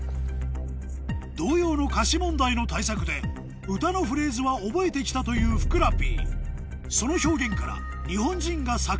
童謡の歌詞問題の対策で歌のフレーズは覚えて来たというふくらＰ